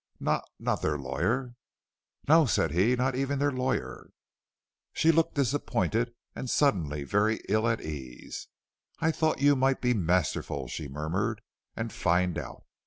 "Not not their lawyer?" "No," said he, "not even their lawyer." She looked disappointed and suddenly very ill at ease. "I thought you might be masterful," she murmured, "and find out.